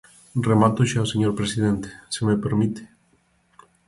Remato xa, señor presidente, se me permite.